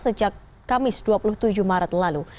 sejak kamis dua puluh tujuh maret lalu